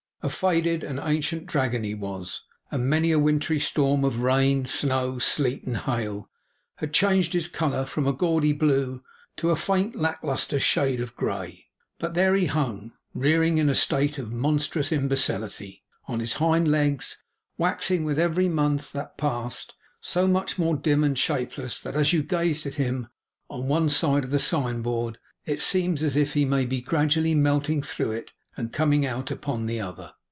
A faded, and an ancient dragon he was; and many a wintry storm of rain, snow, sleet, and hail, had changed his colour from a gaudy blue to a faint lack lustre shade of grey. But there he hung; rearing, in a state of monstrous imbecility, on his hind legs; waxing, with every month that passed, so much more dim and shapeless, that as you gazed at him on one side of the sign board it seemed as if he must be gradually melting through it, and coming out upon the other.